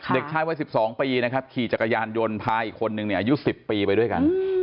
เด็กชายวัย๑๒ปีนะครับขี่จักรยานยนต์พาอีกคนนึงเนี่ยอายุ๑๐ปีไปด้วยกัน